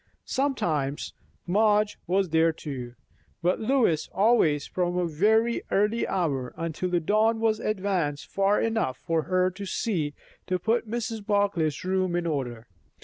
Sometimes Madge was there too; but Lois always, from a very early hour until the dawn was advanced far enough for her to see to put Mrs. Barclay's room in order.